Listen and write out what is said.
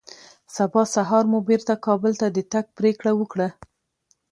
سبا سهار مو بېرته کابل ته د تګ پرېکړه وکړه